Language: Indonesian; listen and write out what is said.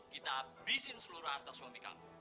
kita habisin seluruh harta suami kamu